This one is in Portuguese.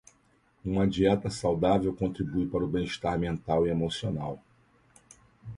Uma dieta saudável contribui para o bem-estar mental e emocional.